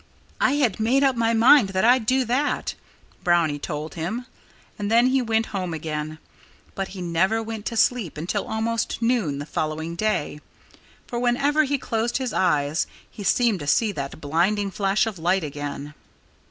"I had made up my mind that I'd do that," Brownie told him. And then he went home again. But he never went to sleep until almost noon the following day; for whenever he closed his eyes he seemed to see that blinding flash of light again.